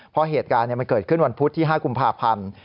เพราะเหตุการณ์มันเกิดขึ้นวันพุธที่๕กุมภาพันธ์